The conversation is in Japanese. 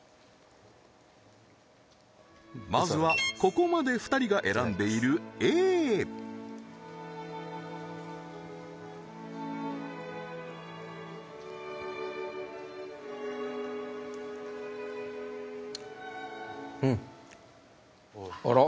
まずはここまで２人が選んでいるＡあら？